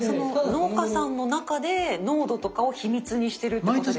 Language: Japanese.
農家さんの中で濃度とかを秘密にしてるってことですか？